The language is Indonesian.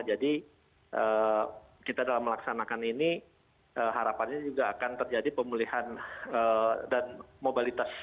jadi kita dalam melaksanakan ini harapannya juga akan terjadi pemulihan dan mobilitas